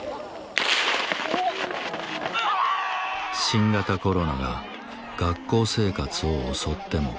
新型コロナが学校生活を襲っても。